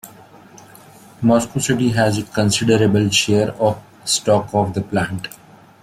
Moscow City has a considerable share of stock of the plant.